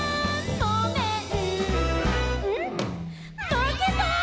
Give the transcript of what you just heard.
まけた」